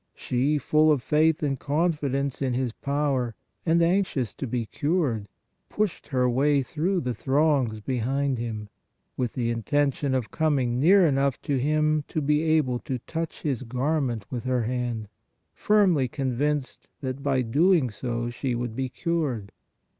She, full of faith and confidence in His power, and anxious to be cured, pushed her way through the throngs behind Him, with the in tention of coming near enough to Him to be able to touch His garment with her hand, firmly con vinced that by so doing she would be cured.